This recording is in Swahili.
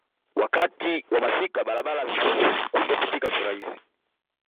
Wakati wa masika barabara zinaweza kutopitika kirahisi